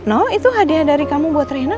no itu hadiah dari kamu buat rena